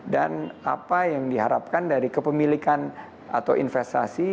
dan apa yang diharapkan dari kepemilikan atau investasi